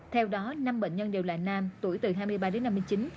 theo đó năm bệnh nhân đều là nam tuổi từ hai mươi ba đến năm mươi chín